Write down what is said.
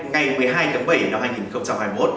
ngày một mươi hai tháng bảy năm hai nghìn hai mươi một